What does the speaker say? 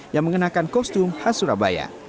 yang mengenakan kostum khas surabaya